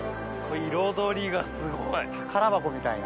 彩りがすごい。